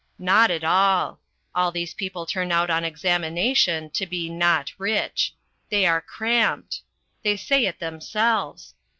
Not at all. All these people turn out on examination to be not rich. They are cramped. They say it themselves.